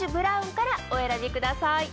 からお選びください。